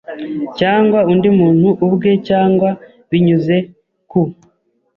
cyangwa undi muntu ubwe cyangwa binyuze ku